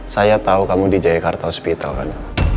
saya tahu kamu di jayakarta hospital kan